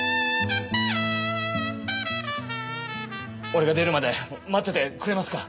俺が出るまで待っててくれますか？